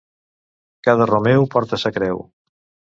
Cada romeu porta sa creu.